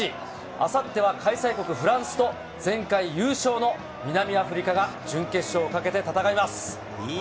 あさっては開催国フランスと前回優勝の南アフリカが準決勝をかけて戦います。